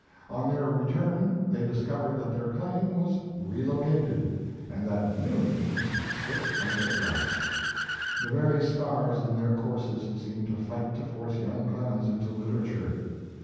On their return, they discovered that their claim was "re located," and that millions had slipped from their grasp! The very stars in their courses seemed to fight to force young Clemens into literature.